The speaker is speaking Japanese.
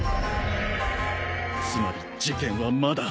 つまり事件はまだ。